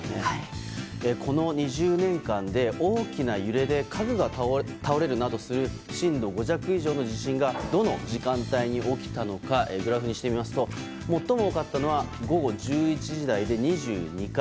この２０年間で大きな揺れで家具が倒れるなどする震度５弱以上の地震がどの時間帯に起きたのかグラフにしてみますと最も多かったのは午後１１時台で２２回。